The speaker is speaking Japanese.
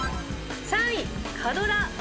３位火ドラ。